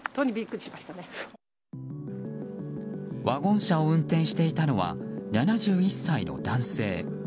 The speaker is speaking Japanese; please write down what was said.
ワゴン車を運転していたのは７１歳の男性。